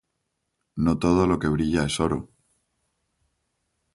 No todo lo que brilla es oro.